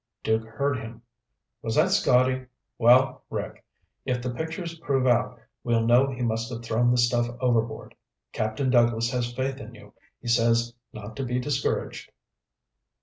Duke heard him. "Was that Scotty? Well, Rick, if the pictures prove out, we'll know he must have thrown the stuff overboard. Captain Douglas has faith in you. He says not to be discouraged."